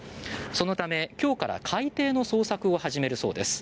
そのため今日から海底の捜索を始めるそうです。